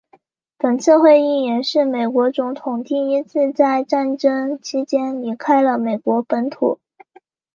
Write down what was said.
本次会议也是美国总统第一次在战争期间离开了美国本土。